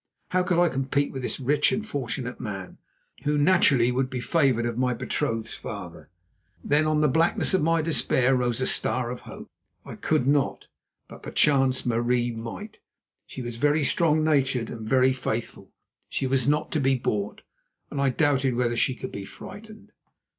How could I compete with this rich and fortunate man, who naturally would be favoured of my betrothed's father? Then on the blackness of my despair rose a star of hope. I could not, but perchance Marie might. She was very strong natured and very faithful. She was not to be bought, and I doubted whether she could be frightened.